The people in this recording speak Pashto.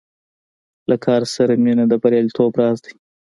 له کار سره مینه د بریالیتوب راز دی.